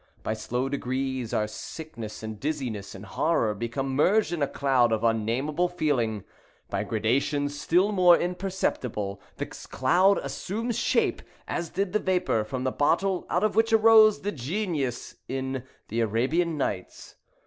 By slow degrees our sickness and dizziness and horror become merged in a cloud of unnamable feeling. By gradations, still more imperceptible, this cloud assumes shape, as did the vapor from the bottle out of which arose the genius in the Arabian Nights.